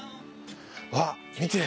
あっ見て！